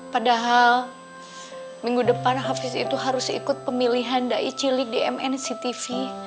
padahal minggu depan hafiz itu harus ikut pemilihan dai cilik di mnctv